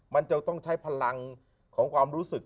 มันจะต้องใช้พลังของความรู้สึก